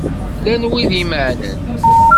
Llan wid i imenɛen?